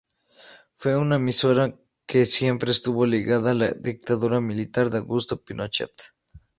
Fue una emisora que siempre estuvo ligada a la dictadura militar de Augusto Pinochet.